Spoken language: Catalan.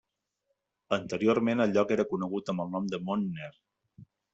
Anteriorment el lloc era conegut amb el nom de Montner.